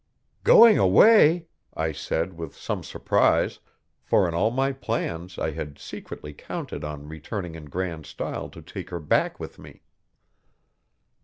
'Going away!' I said with some surprise, for in all my plans I had secretly counted on returning in grand style to take her back with me.